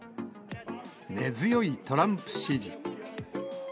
根強いトランプ支持。